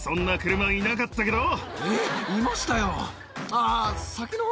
あぁ。